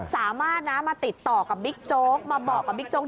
สามารถนะมาติดต่อกับบิ๊กโจ๊กมาบอกกับบิ๊กโจ๊